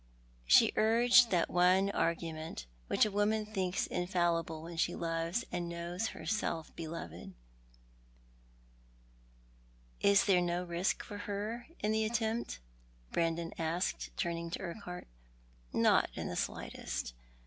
She urged that one argument Mhich a woman thinks infallible when she loves and knows herself beloved. " Is there no risk for her in the attempt ?"' Brandon asked, turning to Urquhart. " Not the sbghtest.